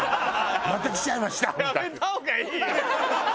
「また来ちゃいました」みたいな。